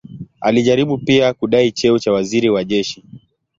Alijaribu pia kudai cheo cha waziri wa jeshi.